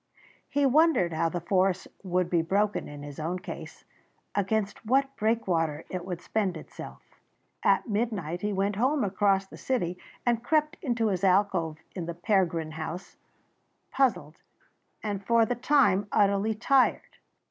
He wondered how the force would be broken in his own case, against what breakwater it would spend itself. At midnight, he went home across the city and crept into his alcove in the Pergrin house, puzzled and for the time utterly tired.